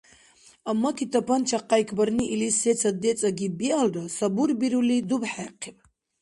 Аммаки тапанча къяйкбарни илис сецад децӀагиб биалра, сабурбирули, дубхӀехъиб.